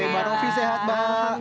mbak rofi sehat mbak